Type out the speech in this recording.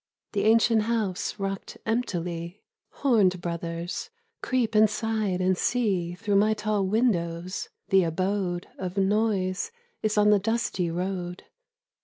The ancient house rocked emptily :" Horned brothers, creep inside and see Through my tall windows : the abode Of noise is on the dusty road."